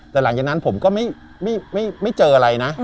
แต่หลังจากนั้นผมก็ไม่เจออะไรนะ